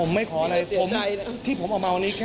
ขอให้เห็นแก่คนที่นอนอยู่ตรงนี้ค่ะ